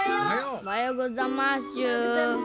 おはようございます。